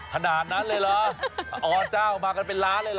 ขนาดนั้นเลยเหรออเจ้ามากันเป็นล้านเลยเห